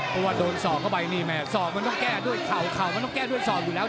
เพราะว่าโดนสอกเข้าไปนี่แม่สอกมันต้องแก้ด้วยเข่าเข่ามันต้องแก้ด้วยศอกอยู่แล้ว